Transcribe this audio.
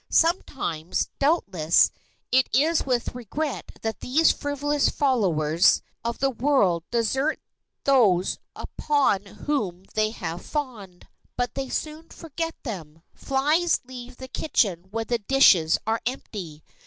Sometimes, doubtless, it is with regret that these frivolous followers of the world desert those upon whom they have fawned; but they soon forget them. Flies leave the kitchen when the dishes are empty.